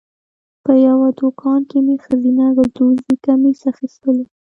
په یوه دوکان کې مې ښځینه ګلدوزي کمیس اخیستلو.